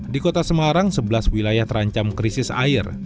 di kota semarang sebelas wilayah terancam krisis air